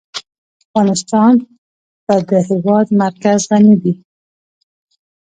افغانستان په د هېواد مرکز غني دی.